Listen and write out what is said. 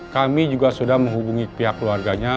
kami juga sudah menghubungi pihak keluarganya